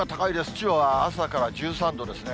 千葉は朝から１３度ですね。